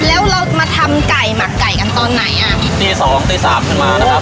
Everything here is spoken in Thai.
แล้วเรามาทำไก่หมักไก่กันตอนไหนอ่ะตีสองตีสามขึ้นมานะครับ